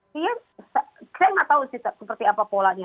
saya nggak tahu sih seperti apa polanya